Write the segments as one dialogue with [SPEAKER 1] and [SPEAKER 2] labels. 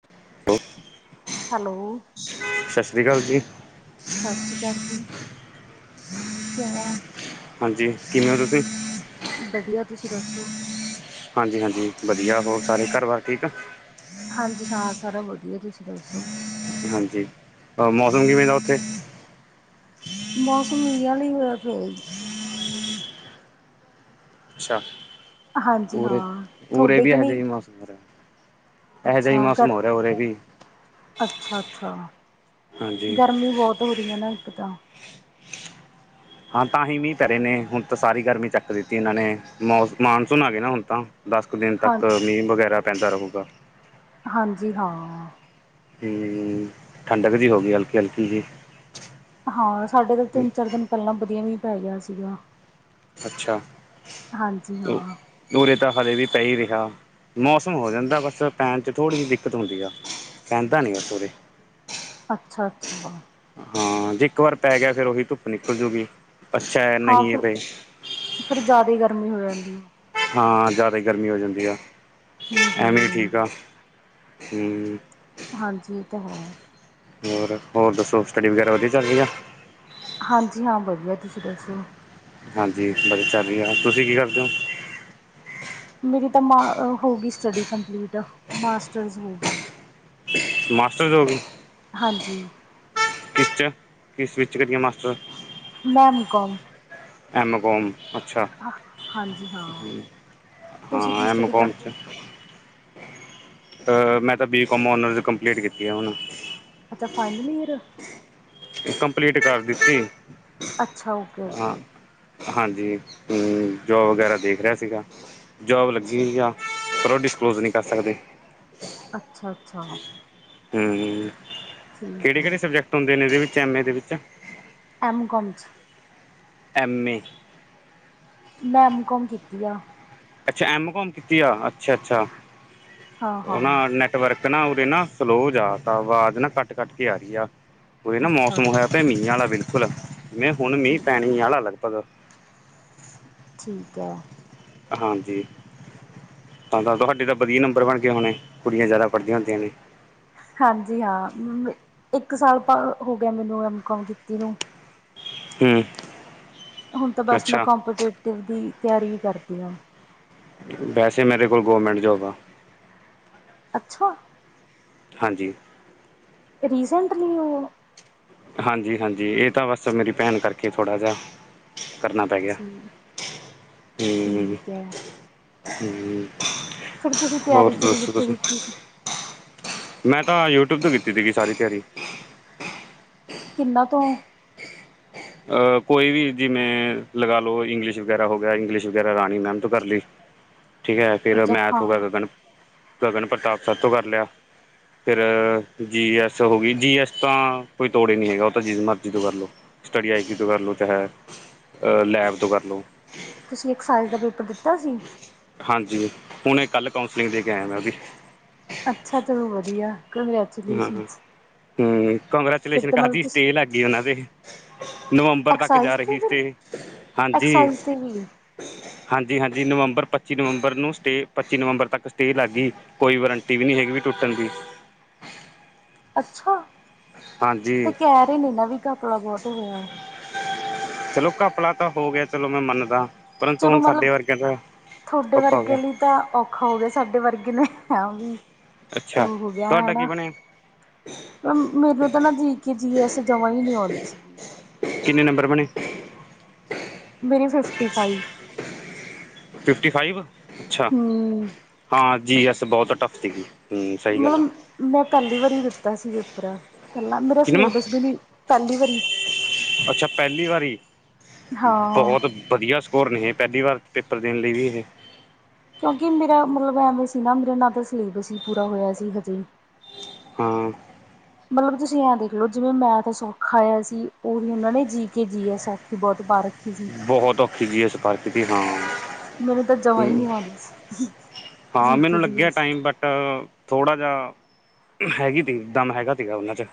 [SPEAKER 1] [inaudible]
[SPEAKER 2] Hello
[SPEAKER 1] Sat Sri ਅਕਾਲ ਜੀ
[SPEAKER 2] ਸਤਿ ਸ਼੍ਰੀ ਅਕਾਲ ਜੀ। ਕਿਵੇਂ ਹੋ।
[SPEAKER 1] ਹਾਂਜੀ ਕਿਵੇਂ ਹੋ ਤੁਸੀਂ
[SPEAKER 2] ਵਧੀਆ ਤੁਸੀਂ ਦੱਸੋ
[SPEAKER 1] ਹਾਂਜੀ ਹਾਂਜੀ ਵਧੀਆ ਹੋਰ ਸਾਰੇ ਘਰ ਵਾਰ ਠੀਕ ਆ।
[SPEAKER 2] ਹਾਂਜੀ ਹਾਂ ਸਾਰਾ ਵਧੀਆ ਤੁਸੀਂ ਦੱਸੋ।
[SPEAKER 1] ਹਾਂਜੀ ਆ ਮੌਸਮ ਕਿਵੇਂ ਦਾ ਉੱਥੇ।
[SPEAKER 2] ਮੌਸਮ ਇਹਆ ਹੀ ਹੋਇਆ ਪਿਆ ਜ
[SPEAKER 1] ਅੱਛਾ
[SPEAKER 2] ਹਾਂਜੀ
[SPEAKER 1] ਪੂਰੇ
[SPEAKER 2] ਹਾਂ
[SPEAKER 1] ਪੂਰੇ
[SPEAKER 2] ਤੁਹਾਡੇ
[SPEAKER 1] ਵੀ
[SPEAKER 2] ਕਿ
[SPEAKER 1] ਇਹਜਿ
[SPEAKER 2] ਨਹੀਂ
[SPEAKER 1] ਹੀ ਮਾਫ਼ ਇਹੋ ਜਿਹਾਹੀ
[SPEAKER 2] ਅੱਛਾ ਗਰ
[SPEAKER 1] ਮੌਸਮ ਹੋ ਰਿਹਾ ਉਰੇ ਵੀ
[SPEAKER 2] ਅੱਛਾ ਅੱਛਾ
[SPEAKER 1] ਹਾਂਜੀ
[SPEAKER 2] ਗਰਮੀ ਬੋਤ ਹੋ ਰਹੀ ਹੈ ਨਾ ਇੱਕ ਤਾਂ
[SPEAKER 1] ਹਾਂ ਤਾਂ ਹੀਂ ਮੀਂਹ ਪੈ ਰਹੇ ਨੇ ਹੁਣ ਤਾਂ ਸਾਰੀ ਗਰਮੀ ਚੱਕ ਦਿੱਤੀ ਇਹਨਾਂ ਨੇ ਮੌ ਮਾਨਸੂਨ ਆ ਗਏ ਨਾ ਹੁਣ ਤਾਂ। ਦਸ ਕੁ ਦਿਨ
[SPEAKER 2] ਹਾਂ
[SPEAKER 1] ਤੱਕ ਮੀਂਹ ਵਗੈਰਾ ਪੈਂਦਾ ਰਹੂਗਾ।
[SPEAKER 2] ਹਾਂਜੀ ਹਾਂ।
[SPEAKER 1] ਹੂੰ ਠੰਡਕ ਜਿਹੀ ਹੋ ਗਈ ਹਲਕੀ ਹਲਕੀ ਜਿਹੀ।
[SPEAKER 2] ਹਾਂ ਸਾਡੇ ਤਾਂ ਤਿੰਨ ਚਾਰ ਦਿਨ ਪਹਿਲਾਂ ਵਧੀਆ ਮੀਂਹ ਪੈ ਗਿਆ ਸੀਗਾ।
[SPEAKER 1] ਅੱਛਾ
[SPEAKER 2] ਹਾਂਜੀ ਹਾਂ
[SPEAKER 1] ਉਰੇ ਤਾਂ ਹਲੇੇ ਵੀ ਪੈ ਹੀ ਰਿਹਾ ਮੌਸਮ ਹੋ ਜਾਂਦਾ ਬਸ ਪੈਣ 'ਚ ਥੋੜ੍ਹੀ ਜਿਹੀ ਦਿੱਕਤ ਹੁੰਦੀ ਆ ਪੈਂਦਾ ਨਹੀਂ ਬਥ ਉਰੇ
[SPEAKER 2] ਅੱਛਾ ਅੱਛਾ ਵ।
[SPEAKER 1] ਹਾਂ ਜੇ ਇੱਕ ਵਾਰ ਪੈ ਗਿਆ ਫੇਿਰ ਉਹੀ ਧੁੱਪ ਨਿਕਲ ਜੂਗੀ ਅੱਛਾ ਹੈ
[SPEAKER 2] ਹਾਂ
[SPEAKER 1] ਨਹੀਂ ਹੈ
[SPEAKER 2] ਫਿਰ
[SPEAKER 1] ਪਏ
[SPEAKER 2] ਫਿਰ ਜ਼ਿਆਦਾ ਈ ਗਰਮੀ ਹੋ ਜਾਂਦੀ ਏ।
[SPEAKER 1] ਹਾਂ ਜਾਦਾ ਹੀ ਗਰਮੀ ਹੋ ਜਾਂਦੀ ਆ
[SPEAKER 2] ਹੂੰ
[SPEAKER 1] ਐਵੇਂ ਵੀ ਠੀਕ
[SPEAKER 2] ਹੂੰ
[SPEAKER 1] ਆ ਹੂੰ
[SPEAKER 2] ਹਾਂਜੀ ਇਹ ਤਾਂ ਹੈ।
[SPEAKER 1] ਹੋਰ ਹੋਰ ਦੱਸੋ ਸਟੱਡੀ ਵਗੈਰਾ ਵਧੀਆ ਚੱਲ ਰਹੀ ਆ।
[SPEAKER 2] ਹਾਂਜੀ ਹਾਂ ਵਧੀਆ ਤੁਸੀਂ ਦੱਸੋ।
[SPEAKER 1] ਹਾਂਜੀ ਬਸ ਵਧੀਆ ਚੱਲ ਰਹੀ ਆ ਤੁਸੀਂ ਕੀ ਕਰਦੇ ਹੋ।
[SPEAKER 2] ਮੇਰੀ ਤਾਂ ਮ ਹੋ ਗਈ ਸਟੱਡੀ ਕੰਪਲੀਟ ਮਾਸਟਰਸ ਹੋ ਗ
[SPEAKER 1] ਮਾਸਟਰ ਹੋਗੀ।
[SPEAKER 2] ਹਾਂਜੀ।
[SPEAKER 1] ਕਿਸ ਚ ਕਿਸ ਵਿਚ ਕਰੀ ਆ ਮਾਸਟਰ।
[SPEAKER 2] ਮੈਮਕਮ
[SPEAKER 1] ਐੱਮ ਕੋਮ ਅੱਛਾ।
[SPEAKER 2] ਹਾਂਜੀ ਹਾਂ
[SPEAKER 1] ਹੂੰ
[SPEAKER 2] ਤੁਸੀਂ
[SPEAKER 1] ਹਾਂ
[SPEAKER 2] ਕੀ
[SPEAKER 1] ਐਮ
[SPEAKER 2] ਸਟੱਡੀ
[SPEAKER 1] ਕੋਮ
[SPEAKER 2] ਕਰਦੇ
[SPEAKER 1] ਚ।
[SPEAKER 2] ਹੋ
[SPEAKER 1] ਅ ਮੈਂ ਤਾਂ B com com honours complete ਕੀਤੀ ਆ ਹੁਣ।
[SPEAKER 2] ਅੱਛਾ ਫਾਈਨਲ ਈਅਰ
[SPEAKER 1] ਕੰਪਲੀਟ ਕਰ ਦਿੱਤੀ।
[SPEAKER 2] ਅੱਛਾ ਓਕੇ
[SPEAKER 1] ਹਾਂ
[SPEAKER 2] ਓਕੇ।
[SPEAKER 1] ਹਾਂਜੀ ਜੋਬ ਵਗੈਰਾ ਦੇਖ ਰਿਹਾ ਸੀਗਾ ਜੋਬ ਲੱਗੀ
[SPEAKER 2] ਠੀਕ
[SPEAKER 1] ਹੋਈ ਆ। ਪਰੋ ਉਹ ਡਿਸਕਲੋਜ ਨਹੀਂ ਕਰ ਸਕਦੇ
[SPEAKER 2] ਅੱਛਾ ਅੱਛਾ।
[SPEAKER 1] ਹੂੰ
[SPEAKER 2] ਠੀਕ
[SPEAKER 1] ਕਿਹੜੇ
[SPEAKER 2] ਹੈ
[SPEAKER 1] ਕਿਹੜੇ ਸਬਜੈਕਟ ਹੁੰਦੇ ਨੇ ਇਹਦੇ ਵਿੱਚ ਐਮ ਏ ਦੇ ਵਿੱਚ।
[SPEAKER 2] ਐਮਕੋਮ ਚ
[SPEAKER 1] ਐੱਮ ਏ
[SPEAKER 2] ਮੈ ਐਮ ਕੋਮ ਕੀਤੀ ਆ
[SPEAKER 1] ਅੱਛਾ ਐਮ ਕੋਮ ਕੀਤੀ ਆ ਅੱਛਾ ਅੱਛਾ
[SPEAKER 2] ਹਾਂ
[SPEAKER 1] ਉਹ ਨਾ
[SPEAKER 2] ਹਾਂ
[SPEAKER 1] ਨੈਟਵਰਕ ਨਾ ਉਦੇ ਨਾ ਸਲੋ ਜਾ ਤਾਂ ਆਵਾਜ਼ ਨਾ ਕੱਟ ਕੱਟ ਕੇ ਆ ਰਹੀ ਆ। ਕੋਈ ਨਾ
[SPEAKER 2] ਅੱਛਾ
[SPEAKER 1] ਮੌਸਮ ਹੋਇਆ
[SPEAKER 2] ਅੱਛਾ
[SPEAKER 1] ਤੇ ਮੀਂਹ ਵਾਲਾ ਬਿਲਕੁਲ ਮਵੇਂ ਹੁਣ ਮੀਂਹ
[SPEAKER 2] ਠੀਕ
[SPEAKER 1] ਪੈਣੀ ਆਾ ਲਗਭਗ
[SPEAKER 2] ਠੀਕ ਹੈ
[SPEAKER 1] ਹਾਂਜੀ ਤੁਹਾਡੇ ਤਾਂ ਵਧੀਆ ਨੰਬਰ ਬਣ ਗਏ ਹੋਣੇ ਕੁੜੀਆਂ ਜਾਦਾ ਪੜ੍ਹਦੀਆਂ ਹੁੰਦੀਆਂ ਨੇ
[SPEAKER 2] ਹਾਂਜੀ ਹਾਂ ਮ ਇੱਕ ਸਾਲ ਹੋ ਗਿਆ ਮੈਨੂੰ ਐਮ ਕੋਮ ਕੀਤੀ ਨੂੰ।
[SPEAKER 1] ਹਮ
[SPEAKER 2] ਹੁਣ ਤਾਂ ਬਸ ਮੈਂ
[SPEAKER 1] ਅੱਛਾ
[SPEAKER 2] ਕਪੀਟੇਟਿਵ ਦੀ ਤਿਆਰੀ ਹੀ ਕਰਦੀ ਹਾਂ
[SPEAKER 1] ਵੈਸੇ ਮੇਰੇ ਕੋਲ ਗੌਰਮੈਂਟ ਜੋਬ ਆ
[SPEAKER 2] ਅੱਛਾ।
[SPEAKER 1] ਹਾਂਜੀ।
[SPEAKER 2] ਰੀਸੈਂਟਲੀ ਉਹ
[SPEAKER 1] ਹਾਂਜੀ ਹਾਂਜੀ ਇਹ ਤਾਂ ਬਸ ਮੇਰੀ ਭੈਣ ਕਰਕੇ ਥੋੜ੍ਹਾ ਜਹਾ ਕਰਨਾ ਪੈ ਗਿਆ
[SPEAKER 2] ਠੀਕ
[SPEAKER 1] ਗਿਆ, ਹਮ
[SPEAKER 2] ਠੀਕ ਹੈ
[SPEAKER 1] ਠੀਕ,
[SPEAKER 2] ਫਿਰ ਤੁਸੀਂ ਤਿਆਰੀ
[SPEAKER 1] ਹੋਰ
[SPEAKER 2] ਤਿਊਰੀ
[SPEAKER 1] ਦੱਸੋ
[SPEAKER 2] ਕਿੱਥੋਂ
[SPEAKER 1] ਤੁਸੀ।
[SPEAKER 2] ਕੀਤੀ ਸੀ
[SPEAKER 1] ਮੈਂ ਤਾਂ ਯੂਟਿਊਬ ਤੋਂ ਕੀਤੀ ਸੀਗੀ ਸਾਰੀ ਤਿਆਰੀ।
[SPEAKER 2] ਕਿੰਨਾ ਤੋ?
[SPEAKER 1] ਕੋਈ ਵੀ ਜਿਵੇਂ ਲੱਗਾ ਲਓ ਇੰਗਲਿਸ਼ ਵਗੈਰਾ ਹੋ ਗਿਆ ਇੰਗਲਿਸ਼ ਵਗੈਰਾ ਰਾਣੀ ਮੈਮ ਤੋ ਕਰ ਲਈ।
[SPEAKER 2] ਹਮ।
[SPEAKER 1] ਠੀਕ ਹੈ ਫਿਰ ਮੈਂ ਮੈਥ ਵਗੈਰਾ ਗਗਨ ਪ੍ਰਤਾਪ ਸਰ ਤੋਂ ਕਰ ਲਿਆ। ਫਿਰ ਜੀ ਐੱਸ ਹੋ ਗਈ, ਜੀ ਐੱਸ ਤਾਂ ਕੋਈ ਤੋੜੇ ਨਹੀਂ ਹੈਗਾ ਉਹ ਤਾਂ ਜਿਸ ਮਰਜ਼ੀ ਤੋਂ ਕਰ ਲਉ। ਸਟੱਡੀ ਆਈ ਤੋਂ ਕਰ ਲਉ ਚਾਹੇਹ, ਲੈਬ ਤੋਂ ਕਰ ਲਓ।
[SPEAKER 2] ਤੁਸੀਂ ਇੱਕ ਸਾਈਜ਼ ਦਾ ਪੇਪਰ ਦਿੱਤਾ ਸੀ?
[SPEAKER 1] ਹਾਂਜੀ, ਹੁਣ ਕੱਲ ਕਾਂਸਲਿੰਗ ਦੇ ਕੇ ਆ ਉਹ ਦੀ।
[SPEAKER 2] ਅੱਛਾ ਚਲੋ ਵਧੀਆ, ਕੰਗ੍ਰੈਚੂਲੇਸ਼ਨ।
[SPEAKER 1] ਹਮ ਕੰਗਰੈਚੂਲੇਸ਼ਨ ਕਾਦੀ
[SPEAKER 2] ਤੁਸੀਂ
[SPEAKER 1] ਸਟੇ ਲੱਗ ਗਈ ਉਹਨਾਂ ਦੇ। ਨਵੰਬਰ ਤੱਕ ਜਾ
[SPEAKER 2] ਐਕਸਾਈਜ਼ ਤੇ
[SPEAKER 1] ਰਹੀ
[SPEAKER 2] ਫਿਰ
[SPEAKER 1] ਸਟੇ, ਹਾਂਜੀ!
[SPEAKER 2] ਐਕਸਾਈਜ਼ ਤੇ ਵੀ
[SPEAKER 1] ਹਾਂਜੀ ਹਾਂਜੀ ਨਵੰਬਰ ਪੱਚੀ ਨਵੰਬਰ ਨੂੰ ਸਟੇ, ਪੱਚੀ ਨਵੰਬਰ ਤੱਕ ਸਟੇਅ ਲੱਗ ਗਈ। ਕੋਈ ਵਰੰਟੀ ਵੀ ਨਹੀਂ ਹੈਗੀ ਵੀ ਟੁੱਟਣ ਦੀ।
[SPEAKER 2] ਅੱਛਾ! ਤੇ
[SPEAKER 1] ਹਾਂਜੀ
[SPEAKER 2] ਕਹਿ ਰਹੇ ਨੇ ਨਾ ਵੀ ਗਪਲਾ ਬਹੁਤ ਹੋਇਆ,
[SPEAKER 1] ਚਲੋ ਘਪਲਾ ਤਾਂ ਹੋ ਗਿਆ ਚਲੋ ਮੈਂ ਮੰਨਦਾ- ਪਰੰਤੂ
[SPEAKER 2] ਚਲੋ
[SPEAKER 1] ਹੁਣ
[SPEAKER 2] ਮਤਲਬ
[SPEAKER 1] ਸਾਡੇ ਵਰਗਿਆਂ ਦਾ
[SPEAKER 2] ਤੁਹਾਡੇ
[SPEAKER 1] ਔਖਾ ਹੋ
[SPEAKER 2] ਵਰਗੇ
[SPEAKER 1] ਗਿਆ।
[SPEAKER 2] ਲਈ ਤਾਂ ਔਖਾ ਹੋ ਗਿਆ ਸਾਡੇ ਵਰਗੇ ਨੇ ਵੀ
[SPEAKER 1] ਅੱਛਾ
[SPEAKER 2] ਉਹ ਹੋ ਗਿਆ ਹੈ।
[SPEAKER 1] ਤੁਹਾਡਾ ਕੀ ਬਣਿਆ
[SPEAKER 2] ਮੈਨੂੰ ਤਾਂ ਨਾ ਜੀ ਕੇ ਜੀ ਐੱਸ ਜਮ੍ਹਾਂ ਹੀ ਨਹੀਂ ਆਉਂਦੀ ਸੀਗੀ।
[SPEAKER 1] ਕਿੰਨੇ ਨੰਬਰ ਬਣੇ।
[SPEAKER 2] ਮੇਰੀ ਫਿਫਟੀ ਫਾਈਵ।
[SPEAKER 1] ਫਿਫਟੀ ਫਾਈਵ ਅੱਛਾ
[SPEAKER 2] ਹਮ
[SPEAKER 1] ਹਾਂ ਜੀ ਐਸ ਬਹੁਤ ਟਫ ਸੀਗੀ ਹੂੰ
[SPEAKER 2] [unintelligible]
[SPEAKER 1] ਸਹੀ ਗੱਲ ਆ
[SPEAKER 2] ਮਤਲਬ, ਮੈਂ ਪਹਿਲੀ ਵਾਰੀ ਦਿੱਤਾ ਸੀ ਪੇਪਰ ਪਹਿਲਾ੍ਹ ਮੇਰਾ
[SPEAKER 1] ਕਿਨਵਾਂ
[SPEAKER 2] ਸਿਲੇਬਸ ਵੀ, ਨ ਪਹਿਲੀ ਵਾਰੀ।
[SPEAKER 1] ਅੱਛਾ, ਪਹਿਲੀ ਵਾਰੀ
[SPEAKER 2] ਹਾਂ
[SPEAKER 1] ਬਹੁਤ ਵਧੀਆ ਸਕੋਰ ਨੇਹ ਇਹ, ਪਹਿਲੀ ਵਾਰ ਪੇਪਰ ਦੇਣ ਲਈ ਵੀ ਇਹ
[SPEAKER 2] ਕਿਉਂਕਿ ਮੇਰਾ ਮਤਲਬ ਐਵੇਂ ਸੀ ਨਾ, ਮੇਰੇ ਨਾਲ ਤਾਂ ਸਿਲੇਬਸ ਹੀ ਪੂਰਾ ਹੋਇਆ ਸੀ ਹਜੇ
[SPEAKER 1] ਹਾਂ-
[SPEAKER 2] ਮਤਲਬ ਤੁਸੀਂ ਐ ਦੇਖਲਓ ਜਿਵੇਂ ਮੈਂਥ ਤਾਂ ਸੌਖਾ ਆਇਆ ਸੀ, ਉਹੀ ਉਹਨਾਂ ਨੇ ਜੀ ਕੇ ਜੀ ਹੈ ਸੌ ਕਿ ਬਹੁਤ ਪਾ ਰੱਖੀ ਸੀ।
[SPEAKER 1] ਬਹੁਤ ਔਖੀ ਜ ਐਸ ਪਾ ਰ ਖੀ ਦੀ, ਹਾਂ।
[SPEAKER 2] ਮੈਨੂੰ ਤਾਂ ਜਮਾ ਹੀ
[SPEAKER 1] ਹ
[SPEAKER 2] ਨਹੀਂ ਆਉਂਦੀ ਸੀ
[SPEAKER 1] ਹਾਂ
[SPEAKER 2] ਜੀ
[SPEAKER 1] ਮੈਨੂੰ
[SPEAKER 2] ਕੇ ਜੀ
[SPEAKER 1] ਲੱਗਿਆ
[SPEAKER 2] ਐਸ
[SPEAKER 1] ਟਾਈਮ, ਬਟ ਥੋੜ੍ਹਾ ਜਿਹਾ ਹੈਗੀ ਤੀ ਦਮ ਹੈਗਾ ਸੀਗਾ, ਉਹਨਾਂ 'ਚ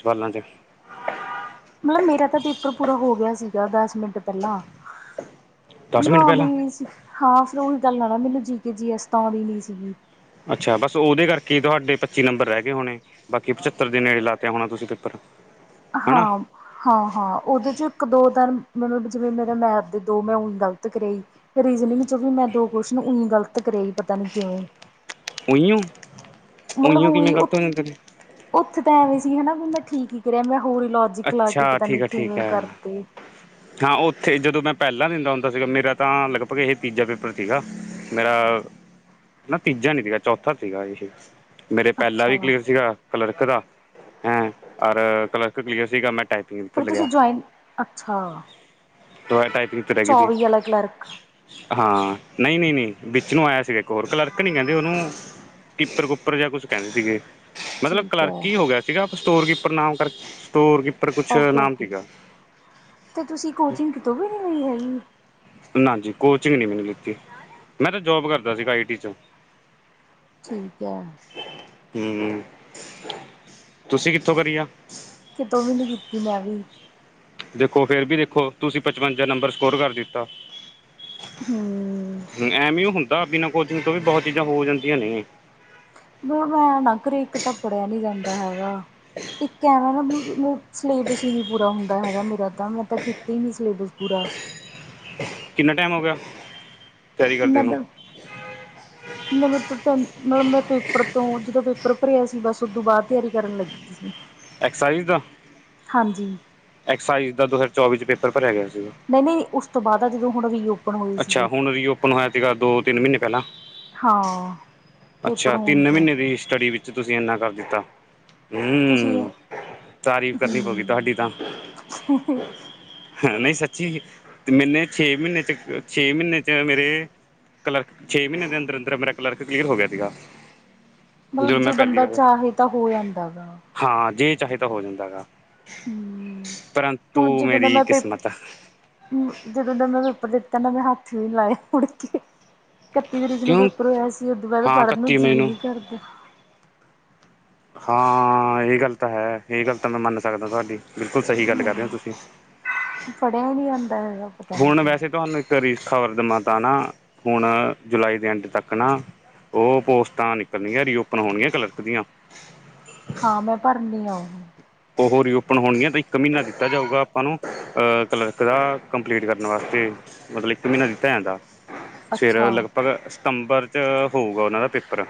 [SPEAKER 1] ਸਵਾਲਾਂ ਚ।
[SPEAKER 2] ਮਤਲਬ ਮੇਰਾ ਤਾਂ ਪੇਪਰ ਪੂਰਾ ਹੋ ਗਿਆ ਸੀਗਾ ਦਸ ਮਿੰਟ ਪਹਿਲਾਂ,
[SPEAKER 1] ਦਸ
[SPEAKER 2] ਨਾ
[SPEAKER 1] ਮਿੰਟ ਪਹਿਲਾਂ
[SPEAKER 2] ਆਉਂਦੀ ਸੀ ਹਾਂ ਫਿਰ ਉਹੀ ਗੱਲ ਆ ਨਾ ਮੈਨੂੰ ਜੀ ਕੇ ਜੀ ਇਸ ਤ ਆਂਦੀ ਨੀ ਸੀਗੀ।
[SPEAKER 1] ਅੱਛਾ, ਬਸ ਉਹਦੇ ਕਰਕੇ ਤੁਹਾਡੇ ਪੱਚੀ ਨੰਬਰ ਰਹਿ ਗਏ ਹੋਣੇ ਬਾਕੀ ਪਚੱਤਰ ਦੇ ਨੇੜੇ ਲਾ ਤੇਆ ਹੋਣਾ ਤੁਸੀਂ ਪੇਪਰ। ਹਨਾ
[SPEAKER 2] ਹਾਂ ਹਾਂ ਹਾਂ ਉਹਦੇ 'ਚ ਇੱਕ ਦੋ ਦਿਨ ਮਤਨਬ ਜਿਵੇਂ ਮੇਰੇ ਮੈ ਆਪ ਦੇ ਦੋ ਮੈਂ ਉਂ ਗਲਤ ਕਰੇਈ ਰੀਜ਼ਨਿੰਗ ਚੋਂ ਵੀ ਮੈਂ ਦੋ ਕੁਸ਼ਨ ਉਂ ਗ਼ਲਤ ਕਰਿ ਆਈ ਪਤਾ ਨੀ ਕਿਵੇਂ।
[SPEAKER 1] ਉੂੰ [unintelligible]
[SPEAKER 2] ਮਤਲਬ ਉਹ, ਉਥੇ ਤਾ ਐਵੀ ਸੀ ਹੀ ਵੀ ਮੈਂ ਠੀਕ ਹੀ ਕਰਿਆ ਮੈਂ ਹੋਰ ਹੀ ਲ ਕਲਾ ਕੇ
[SPEAKER 1] ਅੱਛਾ
[SPEAKER 2] ਪਤਾ ਨੀ
[SPEAKER 1] ਠੀਕ ਆ ਠੀਕ
[SPEAKER 2] ਕਿਵੇਂ
[SPEAKER 1] ਹੈ
[SPEAKER 2] ਕਰਤੇ।
[SPEAKER 1] ਹਾਂ ਉੱਥੇ, ਜਦੋਂ ਮੈਂ ਪਹਿਲਾਂ ਦਿੰਦਾ ਹੁੰਦਾ ਸੀਗਾ ਮੇਰਾ ਤਾਂ ਲਗਭਗ ਇਹ ਤੀਜਾ ਪੇਪਰ ਸੀਗਾ। ਮੇਰਾ- ਨਾ ਤੀਜਾ ਨੀ ਸੀਗਾ ਚੌਥਾ ਸੀਗਾ ਸੀ ਮੇਰੇ ਪਹਿਲਾ ਵੀ
[SPEAKER 2] ਅੱਛਾ
[SPEAKER 1] ਕਲੀਅਰ ਸੀਗਾ ਕਲਰਕ ਦਾ, ਹੈਂ ਔਰ ਕਲਰਕ ਕਲੀਅਰ ਸੀਗਾ ਮੈਂ ਟਾਈਪ
[SPEAKER 2] ਫਿਰ ਤੁਸੀਂ ਜੁਆਇਨ, ਅੱਛਾ
[SPEAKER 1] ਟਾਈਪਿੰਗ ਲੱਗੀ
[SPEAKER 2] ਚੌਵੀ ਵਾਲਾ ਕਲਰਕ
[SPEAKER 1] ਹਾਂ, ਨਹੀਂ, ਨਹੀਂ, ਨਹੀਂ ਵਿੱਚ ਨੂੰ ਆਇਆ ਸੀਗਾ, ਇੱਕ ਹੋਰ ਕਲਰਕ ਨੀ ਕਹਿੰਦੇ ਉਹਨੂੰ। ਪੇਪਰ-ਪੁਪਰ ਜਾ ਕੁਛ ਕਹਿੰਦੇ ਸੀਗੇ। ਮਤਲਬ
[SPEAKER 2] ਠੀਕ
[SPEAKER 1] ਕਲਰਕ
[SPEAKER 2] ਹੈ
[SPEAKER 1] ਹੀ ਹੋਗਿਆ ਸੀਗਾ, ਸਟੋਰ-ਕੀਪਰ ਨਾਮ ਕਰ ਸਟੋਰ-ਕੀਪਰ ਕੁਛ
[SPEAKER 2] ਓਕੇ
[SPEAKER 1] ਨਾਮ
[SPEAKER 2] ਓਕੇ
[SPEAKER 1] ਸੀਗਾ।
[SPEAKER 2] ਤੇ ਤੁਸੀ, ਕੋਚਿੰਗ ਕਿਤੋਂ ਵੀ ਨਹੀਂ ਲਈ ਹੈਗੀ?
[SPEAKER 1] ਨਾ ਜੀ, ਕੋਚਿੰਗ ਨੀ ਮੈਨੂੰ ਲਿੱਤੀ ''ਮੈਂ ਤਾ ਜੌਬ ਕਰਦਾ ਸੀਗਾ ਆਈਟੀ'ਚੋਂ।
[SPEAKER 2] ਠੀਕ ਹੈ।
[SPEAKER 1] ਹੂੰ, ਤੁਸੀਂ ਕਿੱਥੋਂ ਕਰੀ ਆ?
[SPEAKER 2] ਕਿਤੋਂ ਵੀ ਨੀ ਕਿੱਤੀ ''ਮੈਂ ਵੀ।
[SPEAKER 1] ਦੇਖੋ ਫੇਰ ਵੀ ਦੇਖੋ, ਤੁਸੀਂ ਪਚਵੰਜਾ ਨੰਬਰ ਸਕੋਰ ਕਰ ਦਿੱਤਾ।
[SPEAKER 2] ਹੂੰ।
[SPEAKER 1] ਹੂੰ, ਐਵੇਂਈਓ ਹੁੰਦਾ, ਬਿਨਾਂ ਕੋਚਿੰਗ ਤੋਂ ਵੀ ਬਹੁਤ ਚੀਜ਼ਾਂ ਹੋ ਜਾਂਦੀਆਂ ਨੇ।
[SPEAKER 2] ਨਾ-ਨੌ ਨਾ ਕਰੇ, ਇੱਕ ਤਾਂ ਪੜਿਆ ਨੀ ਜਾਂਦਾ ਹੈਗਾ। ਇੱਕ ਐਵੇੈਂ ਨਾ ਸਿਲੇਬਸ ਹੀ ਨਹੀਂ ਪੂਰਾ ਹੁੰਦਾ ਹੈਗਾ ਮੇਰਾ ਤਾਂ, ਮੈਂ ਤਾਂ ਕੀਤੀ ਹੀ ਨਹੀਂ ਸਿਲੇਬਸ ਪੂਰਾ।
[SPEAKER 1] ਕਿੰਨਾ ਟਾਈਮ ਹੋਗਿਆ?
[SPEAKER 2] ਮਦਬ ਮੈਨੂੰ ਤਾਂ ਤਨ ਮਤਲਬ ਮੈਂ ਪੇਪਰ ਤੋਂ, ਜਦੋਂ ਪੇਪਰ ਭਰਿਆ ਸੀ, ਬਸ ਉਦੋਂ ਬਾਅਦ ਤਿਆਰੀ ਕਰਨ ਲੱਗੀ। ਹੰ
[SPEAKER 1] ਐਕਸਾਈਜ਼ ਦਾ?
[SPEAKER 2] ਹਾਂਜੀ।
[SPEAKER 1] ਐਕਸਾਈਜ਼ ਦਾ ਦੋ ਹਜ਼ਾਰ ਚੌਵੀ'ਚ ਪੇਪਰ ਭਰਿਆ ਗਿਆ ਸੀਗਾ।
[SPEAKER 2] ਨਹੀਂ-ਨਹੀਂ, ਉਸ ਤੋਂ ਬਾਅਦ ਆ ਜਦੋਂ, ਹੁਣ ਰੀਓ
[SPEAKER 1] ਅੱਛਾ, ਹੁਣ ਰੀਓਪਨ ਹੋਇਆ ਤੀਗਾ, ਦੋ-ਤਿੰਨ ਮਹੀਨੇ ਪਹਿਲਾਂ।
[SPEAKER 2] ਹਾਂ ਪੇਪਰ
[SPEAKER 1] ਅੱਛਾ,
[SPEAKER 2] ਹੋਣ
[SPEAKER 1] ਤਿੰਨ
[SPEAKER 2] ਤੋਂ
[SPEAKER 1] ਮਹੀਨੇ ਦੀ ਸਟੱਡੀ ਵਿੱਚ ਤੁਸੀਂ ਇਨਾ ਕਰ ਦਿੱਤਾ। ਹੂੰ,
[SPEAKER 2] ਤੁਸੀਂ
[SPEAKER 1] ਹੂੰ ਤਾਰੀਫ਼ ਕਰਨੀ ਪਊਗੀ ਤੁਹਾਡੀ
[SPEAKER 2] ਹਮ
[SPEAKER 1] ਤਾਂ। ਹ ਨਹੀਂ ਸੱਚੀ, ਮੈਨੇ ਛੇ-ਮਹੀਨੇ'ਚ, ਛੇ ਮਹੀਨੇ'ਚ ਮੇਰੇ ਕਲਰਕ, ਛੇ ਮਹੀਨੇ ਦੇ ਅੰਦਰ-ਅੰਦਰ ਮੇਰਾ ਕਲਰਕ ਕਲੀਅਰ ਹੋਗਿਆ ਤੀਗਾ।
[SPEAKER 2] ਮਤਲਬ, ਜੇ ਬੰਦਾ ਚਾਹੇ ਤਾ ਹੋ ਜਾਂਦਾ ਗਾ।
[SPEAKER 1] ਹਾਂ, ਜੇ ਚਾਹੇ ਤਾਂ ਹੋ ਜਾਂਦਾਗਾ,
[SPEAKER 2] ਹਮ ਹੁਣ
[SPEAKER 1] ਪਰੰਤੂ
[SPEAKER 2] ਜਦੋਂ ਦਾ
[SPEAKER 1] ਮੇਰੀ
[SPEAKER 2] ਮੈਂ ਪੇ
[SPEAKER 1] ਕਿਸਮਤ
[SPEAKER 2] ਜਦੋਂ ਦਾ ਮੈਂ ਪੇਪਰ ਦਿੱਤਾ ਨਾ, ''ਮੈਂ ਹੱਥ ਵੀ ਨੀ ਲਾਇਆ ਮੁੜਕੇ। ਇਕੱਤੀ ਤਰੀਕ ਨੂੰ
[SPEAKER 1] ਕਿਉਂ
[SPEAKER 2] ਪੇਪਰ ਹੋਇਆ ਸੀ, ਉਦੋਂ ਬਾਅਦ
[SPEAKER 1] ਹਾਂ
[SPEAKER 2] ਪੜ੍ਹਨ ਨੂੰ
[SPEAKER 1] ਇਕੱਤੀ ਮਈ
[SPEAKER 2] ਜੀਅ ਨੀ ਕਰਦਾ।
[SPEAKER 1] ਹਾਂ, ਇਹ ਗੱਲ ਤਾ ਹੈ। ਇਹ ਗੱਲ ਤਾਂ ਮੈਂ ਮੰਨ ਸਕਦਾ ਤੁਹਾਡੀ, ਬਿਲਕੁਲ ਸਹੀ ਗੱਲ ਕਰ ਰਹੇ ਹੋ ਤੁਸੀਂ।
[SPEAKER 2] ਫੜਿਆ ਹੀ ਨਹੀ ਜਾਂਦਾ ਹੈਗਾ। ਪਤਾ ਨਹੀਂ
[SPEAKER 1] ਹੁਣ
[SPEAKER 2] ਕਿਉਂ
[SPEAKER 1] ਵੈਸੇ ਤੁਹਾਨੂੰ ਇੱਕ ਰੀਸ ਖ਼ਬਰ ਦੇਵਾਂ ਤਾਂ ਨਾ, ਹੁਣ ਜੁਲਾਈ ਦੇ ਐਂਡ ਤੱਕ ਨਾ ਉਹ ਪੋਸਟਾਂ ਨਿਕਲਣਗੀਆਂ, ਰੀਓਪਨ ਹੋਣੀਆਂ ਕਲਰਕ ਦੀਆਂ।
[SPEAKER 2] ਹਾਂ, ਮੈਂ ਭਰਨੀ ਆ ਉਹ ਵੀ।
[SPEAKER 1] ਉਹੋ ਰੀਓਪਨ ਹੋਣਗੀਆਂ, ਤਾਂ ਇੱਕ ਮਹੀਨਾ ਦਿੱਤਾ ਜਾਊਗਾ ਆਪਾਂ ਨੂੰ ਕਲਰਕ ਦਾ। ਕੰਪਲੀਟ ਕਰਨ ਵਾਸਤੇ, ਮਤਲਬ ਇੱਕ ਮਹੀਨਾ ਦਿੱਤਾ ਜਾਂਦਾ। ਸਵੇਰੇ
[SPEAKER 2] ਅੱਛਾ
[SPEAKER 1] ਲਗਭਗ ਸਤੰਬਰ'ਚ ਹੋਊਗਾ ਉਹਨਾਂ ਦਾ ਪੇਪਰ।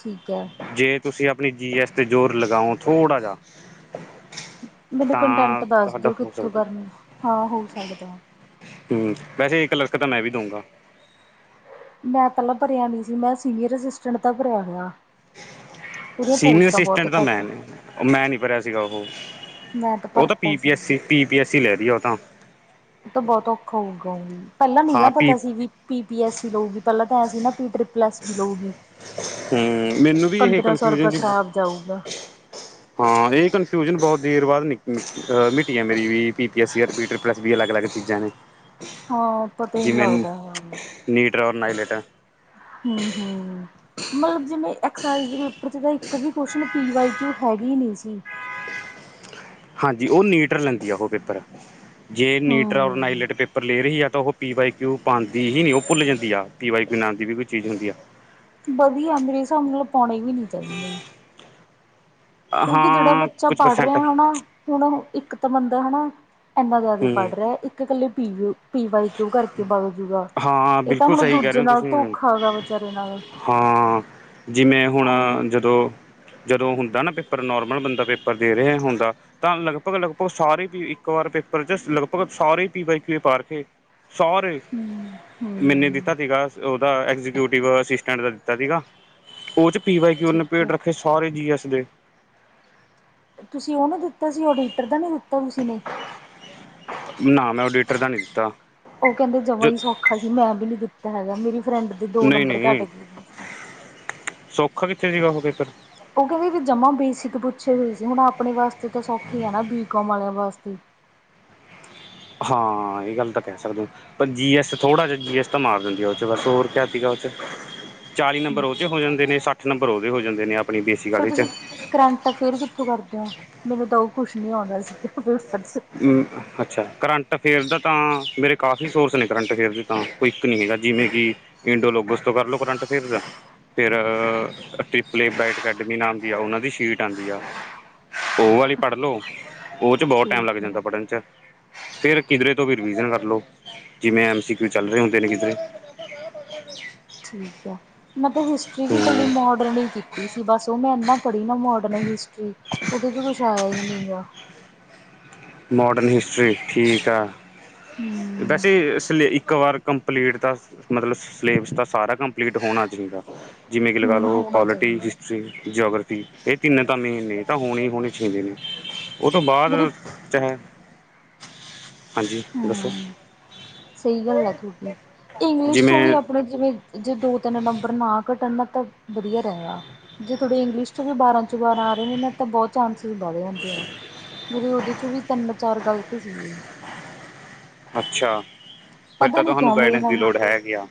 [SPEAKER 2] ਠੀਕ ਹੈ।
[SPEAKER 1] ਜੇ ਤੁਸੀ ਆਪਣੀ, ਜੀ ਐੱਸ 'ਤੇ ਜ਼ੋਰ ਲਗਾਂਓ ਥੋੜਾ ਜਾ,
[SPEAKER 2] ਮੈਨੂੰ
[SPEAKER 1] ਤਾਂ
[SPEAKER 2] ਕੰਟੈਂਟ ਦੱਸ
[SPEAKER 1] ਤੁਹਾਡਾ
[SPEAKER 2] ਦਿਓ
[SPEAKER 1] ਹੋ
[SPEAKER 2] ਕਿੱਥੋਂ
[SPEAKER 1] ਸਕਦਾ।
[SPEAKER 2] ਕਰਨੀ ਹਾਂ, ਹੋ ਸਕਦਾ
[SPEAKER 1] ਹੂੰ, ਵੈਸੇ ਕਲਰਕ ਤਾਂ ਮੈਂ ਵੀ ਦਉਂਗਾ।
[SPEAKER 2] ਮੈਂ ਪਹਿਲਾਂ ਭਰਿਆ ਨਹੀਂ ਸੀ, ਮੈਂ ਸੀਨੀਅਰ ਅਸੀਸਟਂਟ ਦਾ ਭਰਿਆ ਹੋਇਆ। ਉਹਦੀਆਂ
[SPEAKER 1] ਸੀਨੀਅਰ
[SPEAKER 2] ਪੋਸਟਾਂ
[SPEAKER 1] ਅਸੀਸਟਂਟ
[SPEAKER 2] ਬਹੁਤ
[SPEAKER 1] ਤਾਂ
[SPEAKER 2] ਘੱਟ
[SPEAKER 1] ਮੈਂਨ ਏ, ਓ ਮੈਂ ਨਹੀਂ ਭਰਿਆ ਸੀਗਾ ਉਹ।
[SPEAKER 2] ਮੈਂ ਤੇ, ਭਰਤਾ ਸੀਗਾ।
[SPEAKER 1] ਯੋ ਤਾਂ
[SPEAKER 2] ਤਾ ਬਹੁਤ ਔਖਾ ਹੋਊਗਾ ਓ, ਪਹਿਲਾਂ ਨੀ ਨਾ
[SPEAKER 1] ਹਾਂ ਪੀ
[SPEAKER 2] ਪਤਾ ਸੀ ਵੀ ਪੀ ਪੀ ਐੱਸ ਸੀ ਲਊਗੀ, ਵੀ ਪਹਿਲਾਂ ਤਾਂ ਐਂਸੀ ਨਾ, ਪੀਟਰ ਪਲੱਸ ਵੀ ਲਊਗੀ,
[SPEAKER 1] ਹੂੰ ਮੈਨੂੰ ਵੀ ਇਹ
[SPEAKER 2] ਪੰਦਰਾਂ-ਸੌ
[SPEAKER 1] ਕਨਫਿਊਜ਼ਨ
[SPEAKER 2] ਰੁਪਏ
[SPEAKER 1] ਜੀ
[SPEAKER 2] ਖ਼ਰਾਬ ਜਾਊਗਾ।
[SPEAKER 1] ਹਾਂ ਇਹ ਕਨਫਿਊਜਨ ਬਹੁਤ ਦੇਰ ਬਾਅਦ ਨਿਕ ਮਿੱਟੀ ਆ ਮੇਰੀ ਵੀ ਪੀ ਪੀ ਐੱਸ ਸੀ ਆ ਰਿਪੀਟਰ ਪਲੱਸ ਵੀ ਅਲੱਗ ਅਲੱਗ ਚੀਜ਼ਾਂ ਨੇ।
[SPEAKER 2] ਹਾਂ ਪਤਾ ਨੀ
[SPEAKER 1] ਜਿਵੇਂ
[SPEAKER 2] ਲਗਦਾ।
[SPEAKER 1] ਨੀਟਰ ਔਰ ਨਾਈ ਲਿਟਰ
[SPEAKER 2] ਹਮ ਹਮ। ਮਤਲਬ ਜਿਵੇਂ ਐਕਸਾਈਜ ਦੇ ਪੇਪਰ ਚ ਤਾ ਇੱਕ ਵੀ ਕੋਸਚਿਨ ਪੀ ਵਾਈ ਕੀਓ ਹੈਗੀ ਨਹੀਂ ਸੀ।
[SPEAKER 1] ਹਾਂਜੀ ਉਹ ਨੀਟਰ ਲੈਂਦੀ ਆ ਉਹ ਪੇਪਰ ਜੇ ਨੀਟਰ ਔਰ
[SPEAKER 2] ਹੂੰ।
[SPEAKER 1] ਨਾਈਲਟ ਪੇਪਰ ਲੈ ਰਹੀ ਆ ਤਾਂ ਉਹ। ਪੀ ਵਾਈ ਕਿਊ ਪਾਉਦੀ ਹੀ ਨਹੀਂ ਉਹ ਭੁੱਲ ਜਾਂਦੀ ਆ ਪੀ ਵਾਈਕੂ ਨਾਂ ਦੀ ਵੀ ਕੋ ਚੀਜ਼ ਹੁੰਦੀ ਆ।
[SPEAKER 2] ਵਧੀਆ ਮੇਰੇ ਹਿਸਾਬ ਨਾਲ ਪਾਉਣੇ ਵੀ ਨੀ ਚਾਹੀਦੇ। ਕਿਉਂਕਿ ਜਿਹੜਾ
[SPEAKER 1] ਹਾਂ
[SPEAKER 2] ਬੱਚਾ
[SPEAKER 1] ਕੁਛ
[SPEAKER 2] ਪੜ੍ਹ
[SPEAKER 1] ਪਰਸੈਂਟ
[SPEAKER 2] ਰਿਹਾ ਹਨਾ। ਹੁਣ ਇੱਕ ਤਾਂ ਬੰਦਾ ਹਨਾ ਇੰਨਾ ਜ਼ਿਆਦਾ
[SPEAKER 1] ਹੂੰ
[SPEAKER 2] ਪੜ੍ਹ ਰਿਹਾ ਇੱਕ ਇਕੱਲੇ ਪੀ ਓ ਪੀ ਵਾਈ ਕਿਉਂ ਤੋਂ ਕਰਕੇ ਬਗ ਜੂਗਾ
[SPEAKER 1] ਹਾਂ
[SPEAKER 2] ਇਹ ਤਾਂ
[SPEAKER 1] ਬਿਲਕੁਲ
[SPEAKER 2] ਹੁਣ
[SPEAKER 1] ਸਹੀ ਕਹਿ ਰਹੇ
[SPEAKER 2] ਦੂਜੇ
[SPEAKER 1] ਹੋ
[SPEAKER 2] ਨਾਲ
[SPEAKER 1] ਤੁਸੀਂ
[SPEAKER 2] ਧੋਖਾ ਗਾ ਵਿਚਾਰੇ ਨਾਲ।
[SPEAKER 1] ਹਾਂ ਜਿਵੇਂ ਹੁਣ
[SPEAKER 2] ਐਵੇਂ
[SPEAKER 1] ਜਦੋਂ ਜਦੋਂ ਹੁੰਦਾ ਨਾ ਪੇਪਰ ਨੋਰਮਲ ਬੰਦਾ ਪੇਪਰ ਦੇ ਰਿਹਾ ਹੁੰਦਾ। ਤਾਂ ਲਗਭਗ ਲਗਭਗ ਸਾਰੇ ਪੀ ਇੱਕ ਵਾਰ ਪੇਪਰ ਚ ਲਗਭਗ ਸਾਰੇ ਪੀ ਵਾਈ ਕਿਉਂ ਪਾਰ ਕੇ ਸਾਰੇ
[SPEAKER 2] ਹੂੰ।
[SPEAKER 1] ਮੈਨੇ
[SPEAKER 2] ਹੂੰ
[SPEAKER 1] ਦਿੱਤਾ ਸੀਗਾ ਉਹਦਾ ਐਗਜੀਕਿਊ ਪੀ ਵਾਈ ਅਸਿਸਟੈਂਟ ਦਾ ਦਿੱਤਾ ਸੀਗਾ ਉਹ ਚ ਪੀ ਵਾਈ ਕਿਉਂ
[SPEAKER 2] ਠੀਕ
[SPEAKER 1] ਪੇਟ
[SPEAKER 2] ਹੈ
[SPEAKER 1] ਰੱਖੇ ਸਾਰੇ ਜੀ ਐਸ ਦੇ।
[SPEAKER 2] ਤੁਸੀਂ ਉਹਨੂੰ ਦਿੱਤਾ ਸੀ ਓਡੀਟਰ ਦਾ ਨੀ ਦਿੱਤਾ ਤੁਸੀਂ ਨੇ।
[SPEAKER 1] ਨਾ ਮੈਂ ਓਡੀਟਰ ਦਾ ਨੀ ਦਿੱਤਾ।
[SPEAKER 2] ਉਹ ਕਹਿੰਦੇ ਜਮਾਂ
[SPEAKER 1] ਜ
[SPEAKER 2] ਹੀ ਸੌਖਾ ਸੀ ਮੈਂ ਵੀ ਨਹੀਂ ਦਿੱਤਾ ਹੈਗਾ ਮੇਰੀ ਫਰੈਂਡ ਦੇ ਦੋ
[SPEAKER 1] ਨਹੀਂ
[SPEAKER 2] ਨੰਬਰ ਘੱਟ
[SPEAKER 1] ਨਹੀਂ
[SPEAKER 2] ਗਏ ਬਸ।
[SPEAKER 1] ਕਭੀ ਥੇ ਜ੍ਹਗਾ ਓ ਪੇਪਰ।
[SPEAKER 2] ਉਹ ਕਹਿੰਦੇ ਵੀ ਜਮਾ ਬੇਸਿਕ ਪੁੱਛੇ ਹੋਏ ਸੀ ਹੁਣ ਆਪਣੇ ਵਾਸਤੇ ਤਾਂ ਸੌਖੀ ਆ ਨਾ ਬੀ ਕੌਮ ਵਾਲਿਆਂ ਵਾਸਤੇ।
[SPEAKER 1] ਹਾਂ ਇਹ ਗੱਲ ਤਾਂ ਕਹਿ ਸਕਦੇ ਹੋ। ਪਰ ਜੀ ਐਸ ਥੋੜ੍ਹਾ ਜਿਹਾ ਜੀ ਐਸ ਤਾਂ ਮਾਰ ਦਿੰਦੀ ਆ ਉਹ ਚ ਬਸ ਹੋਰ ਪ੍ਰੈਕਟੀਕਲ ਚ ਚਾਲੀ ਨੰਬਰ ਉਹਦੇ ਹੋ ਜਾਂਦੇ ਨੇ ਸੱਠ ਨੰਬਰ ਉਹਦੇ ਹੋ ਜਾਂਦੇ ਨੇ ਆਪਣੀ ਬੇਸਿਕ
[SPEAKER 2] ਫਿਰ
[SPEAKER 1] ਆਲੇ ਚ।
[SPEAKER 2] ਤੁਸੀਂ ਕਰੰਟ ਫੇਰ ਕਿੱਥੋਂ ਕਰਦੇ ਹੋ ਮੈਨੂੰ ਤਾਂ ਉਹ ਕੁਛ ਨੀ ਆਉਂਦਾ ਸੀਗਾ ਪੇਪਰ।
[SPEAKER 1] ਅੱਛਾ ਕਰੰਟ ਅਫੇਅਰ ਦਾ ਤਾਂ ਮੇਰੇ ਕਾਫੀ ਸੋਰਸ ਨੇ ਕਰੰਟ ਅਫੇਅਰ ਦੇ ਤਾਂ। ਇੱਕ ਨਹੀਂ ਹੈਗਾ ਜਿਵੇਂ ਕਿ ਇੰਡੋਲੋਗਸ ਤੋਂ ਕਰਲੋ ਕਰੰਟ ਅਫੇਅਰ ਦਾ। ਫਿਰ ਟ੍ਰਿਪਲੇ ਬਰਾਈਟ ਅਕੈਡਮੀ ਨਾਮ ਦੀ ਆ ਉਹਨਾਂ ਦੀ ਸ਼ੀਟ ਆਉਂਦੀ ਆ। ਉਹ ਵਾਲੀ ਪੜ੍ਹ ਲੋ ਉਹ ਚ ਬਹੁਤ ਟਾਈਮ ਲੱਗ
[SPEAKER 2] ਠੀਕ ਹੈ
[SPEAKER 1] ਜਾਂਦਾ ਪੜ੍ਹਨ ਚ। ਫਿਰ ਕਿਧਰੇ ਤੋਂ ਵੀ ਰਿਵੀਜ਼ਨ ਕਰ ਲਓ ਜਿਵੇਂ ਐਮ ਸੀ ਕੀਓ ਚੱਲ ਰਹੇ ਹੁੰਦੇ ਨੇ ਕਿਧਰੇ।
[SPEAKER 2] ਠੀਕ ਹੈ। ਮੈਂ ਤਾਂ ਹਿਸਟਰੀ ਵੀ ਕਲੀ ਮੋਡਰਨ ਹੀ ਸੀ ਬਸ ਉਹ ਮੈਂ ਇਨਾ ਪੜ੍ਹੀ ਨਾ ਮੋਡਰਨ ਹਿਸਟਰੀ ਉਹਦੇ ਚ ਕੁਛ ਆਇਆ ਹੀ ਨਹੀਂ ਗਾ।
[SPEAKER 1] ਮੋਡਰਨ ਹਿਸਟਰੀ ਠੀਕ ਆ।
[SPEAKER 2] ਹਮ
[SPEAKER 1] ਵੈਸੇ ਇਸ ਇੱਕ ਵਾਰ ਕੰਪਲੀਟ ਤਾਂ ਮਤਲਬ ਸਿਲੇਬਸ ਦਾ ਸਾਰਾ ਕੰਪਲੀਟ ਹੋਣਾ ਚਾਹੀਦਾ ਜਿਵੇਂ ਕਿ ਲਗਾ
[SPEAKER 2] ਹਮ
[SPEAKER 1] ਲਓ
[SPEAKER 2] ਹੋਣਾ
[SPEAKER 1] ਪੋਲੀਟੀ
[SPEAKER 2] ਚਾਹੀਦਾ।
[SPEAKER 1] ਜਿਉਗ੍ਰਫੀ ਇਹ ਤਿੰਨ ਤਾਂ ਮੈਨ ਨੇ ਤਾਂ ਹੋਣੇ ਹੀ ਹੋਣੇ ਚਾਹੀਦੇ ਨੇ ਉਹ ਤੋਂ ਬਾਅਦ
[SPEAKER 2] ਮੇਰੀ
[SPEAKER 1] ਚਾਹੇ ਹਾਂਜੀ ਦੱਸੋ।
[SPEAKER 2] ਹਮ ਸਹੀ ਗੱਲ ਹੈ ਤੁਹਾਡੀ ਇੰਗਲਿਸ਼ ਚੋਂ ਵੀ
[SPEAKER 1] ਜਿਵੇਂ
[SPEAKER 2] ਆਪਣੇ ਜਿਵੇਂ ਜੇ ਦੋ ਤਿੰਨ ਨੰਬਰ ਨਾ ਘਟਣ ਨਾ ਤਾਂ ਵਧੀਆ ਰਹੇਗਾ। ਜੇ ਥੋੜੇ ਇੰਗਲਿਸ਼ ਚ ਵੀ ਬਾਰਾਂ ਚ ਬਾਰਾਂ ਆ ਰਹੇ ਨੇ ਨਾ। ਤਾਂ ਬਹੁਤ ਚਾਂਸਿਸ ਵੱਧ ਜਾਂਦੇ ਆ ਮੇਰੇ ਉਹਦੇ ਚ ਵੀ ਤਿੰਨ ਚਾਰ ਗ਼ਲਤ ਸੀਗੇ
[SPEAKER 1] ਅੱਛਾ ਫਿਰ
[SPEAKER 2] ਪਤਾ
[SPEAKER 1] ਤਾਂ
[SPEAKER 2] ਨੀ
[SPEAKER 1] ਤੁਹਾਨੂੰ
[SPEAKER 2] ਕਿਉਂ ਮੇਰੇ
[SPEAKER 1] ਗਾਈਡੈਂਸ ਦੀ
[SPEAKER 2] ਨਾਲ
[SPEAKER 1] ਲੋੜ ਹੈਗੀ ਆ।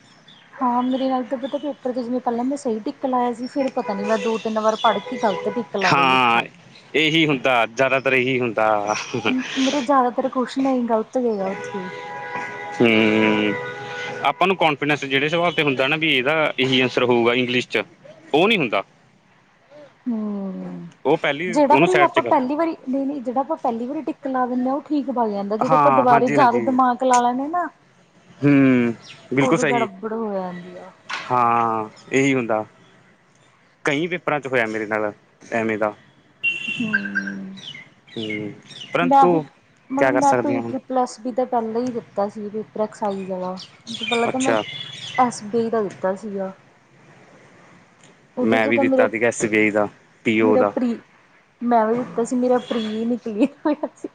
[SPEAKER 2] ਹਾਂ ਮੇਰੇ ਨਾਲ ਤਾਂ ਪਤਾ ਪੇਪਰ ਚ ਜਿਵੇਂ ਪਹਿਲਾਂ ਮੈਂ ਸਹੀ ਟਿੱਕ ਲਾਇਆ ਸੀ। ਫਿਰ ਪਤਾ ਨੀ ਮੈਂ ਦੋ ਤਿੰਨ ਵਾਰ ਪੜ੍ਹ ਕੇ ਗਲਤ ਟਕ ਲ ਆਏ
[SPEAKER 1] ਹਾਂ
[SPEAKER 2] ਉੱਥੇ।
[SPEAKER 1] ਇਹੀ ਹੁੰਦਾ ਜ਼ਿਆਦਾਤਰ ਇਹੀ ਹੁੰਦਾ।
[SPEAKER 2] ਮੇਰੇ ਜ਼ਿਆਦਾਤਰ ਕੁਛ ਨਹੀਂ ਗ਼ਲਤ ਗਏ ਆ ਉੱਥੇ।
[SPEAKER 1] ਹਮਮ। ਆਪਾਂ ਨੂੰ ਕੋਂਫੀਡੈਂਸ ਜਿਹੜੇ ਸਵਾਲ ਤੇ ਹੁੰਦਾ ਨਾ ਵੀ ਇਹਦਾ ਇਹੀ ਆਂਸਰ ਹੋਊਗਾ ਇੰਗਲਿਸ਼ ਚ ਉਹ ਨਹੀਂ ਹੁੰਦਾ।
[SPEAKER 2] ਹੁੰ
[SPEAKER 1] ਉਹ ਪਹਿਲੀ
[SPEAKER 2] ਜਿਹੜਾ
[SPEAKER 1] ਉਹਨੂੰ
[SPEAKER 2] ਵਾਰੀ
[SPEAKER 1] ਸਾਈਡ 'ਚ
[SPEAKER 2] ਆਪਾਂ
[SPEAKER 1] ਕਰ ਦੋ
[SPEAKER 2] ਪਹਿਲੀ ਵਾਰੀ, ਨਹੀਂ ਨਹੀਂ ਜਿਹੜਾ ਆਪਾਂ ਪਹਿਲੀ ਵਾਰੀ ਟਿੱਕ ਲਾ ਦਿੰਦੇ ਹਾਂ ਠੀਕ ਬਗ ਜਾਂਦਾ। ਜਦੋਂ ਆਪਾਂ
[SPEAKER 1] ਹਾਂ
[SPEAKER 2] ਦੁਬਾਰੇ
[SPEAKER 1] ਹਾਂਜੀ
[SPEAKER 2] ਜਿਆਦਾ ਦਿਮਾਗ ਲਾ ਲੈਂਦੇ ਨਾ
[SPEAKER 1] ਹੁੰ ਬਿਲਕੁਲ
[SPEAKER 2] ਉਦੋਂ
[SPEAKER 1] ਸਹੀ।
[SPEAKER 2] ਗੜਬੜ ਹੋ ਜਾਂਦੀ ਆ।
[SPEAKER 1] ਹਾਂ, ਇਹੀ ਹੁੰਦਾ। ਕਈ ਪੇਪਰਾਂ ਚ ਹੋਇਆ ਮੇਰੇ ਨਾਲ ਐਵੇਂ ਦਾ।
[SPEAKER 2] ਹੁੰ
[SPEAKER 1] ਹੁੰ
[SPEAKER 2] ਮੈਂ ਵੀ, ਮਤਲਬ ਮੈਂ ਪੂਰੀ ਟ੍ਰਿਪ
[SPEAKER 1] ਹੁਣ
[SPEAKER 2] ਟ੍ਰਿਪਲ ਐਸ ਬੀ ਤਾਂ ਪਹਿਲਾਂ ਹੀ ਦਿੱਤਾ ਸੀ। ਪੇਪਰ ਇਸ ਦਾ ਪਹਿਲ ਮੈਂ
[SPEAKER 1] ਅੱਛਾ
[SPEAKER 2] ਐਸ ਬੀ ਦਾ ਦਿੱਤਾ ਸੀਗਾ। ਉਦੋਂ
[SPEAKER 1] ਮੈਂ ਵੀ
[SPEAKER 2] ਜਦੋ ਮੇਰਾ,
[SPEAKER 1] ਦਿੱਤਾ ਸੀਗਾ ਐਸ ਬੀ ਆਈ ਦਾ ਪੀ ਓ
[SPEAKER 2] ਮੇਰਾ
[SPEAKER 1] ਦਾ
[SPEAKER 2] ਪ੍ਰੀ ਮੈਂ ਵੀ ਦਿੱਤਾ ਸੀ ਮੇਰਾ ਪ੍ਰੀ ਨਿਕਲਿਆ ਹੋਇਆ ਸੀ।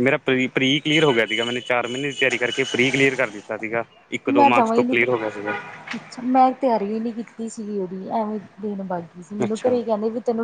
[SPEAKER 1] ਮੇਰਾ ਪ੍ਰੀ ਪ੍ਰੀ ਕਲੀਅਰ ਹੋ ਗਿਆ ਸੀਗਾ। ਮੈਨੇ ਚਾਰ ਮਹੀਨੇ ਦੀ ਤਿਆਰੀ ਕਰਕੇ ਪ੍ਰੀ ਕਲੀਅਰ ਕਰ ਦਿੱਤਾ ਸੀਗਾ। ਇੱਕ ਦੋ
[SPEAKER 2] ਮੈਂ
[SPEAKER 1] ਮਾਰਕਸ
[SPEAKER 2] ਜਮਾਂ ਹੀ
[SPEAKER 1] ਤੋਂ
[SPEAKER 2] ਨੀ
[SPEAKER 1] ਕਲੀਅਰ ਹੋ ਗਿਆ ਸੀਗਾ।
[SPEAKER 2] ਅੱਛਾ, ਮੈਂ ਤਿਆਰੀ ਵੀ ਨੀ ਕੀਤੀ ਸੀਗੀ। ਉਹਦੀ ਐਵੇਂ ਦੇਣ ਭੱਗ ਗਈ ਸੀ ਮੈਨੂੰ
[SPEAKER 1] ਅੱਛਾ
[SPEAKER 2] ਘਰੇ ਕਹਿੰਦੇ ਵੀ ਤੈਨੂੰ